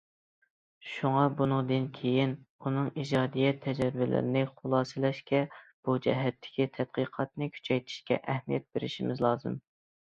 شۇڭا بۇنىڭدىن كېيىن ئۇنىڭ ئىجادىيەت تەجرىبىلىرىنى خۇلاسىلەشكە، بۇ جەھەتتىكى تەتقىقاتنى كۈچەيتىشكە ئەھمىيەت بېرىشىمىز لازىم.